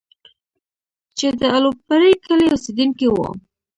چې د الپورۍ کلي اوسيدونکی وو،